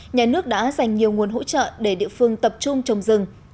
nhà nước đã dành nhiều nguồn hỗ trợ để địa phương tập trung trồng rừng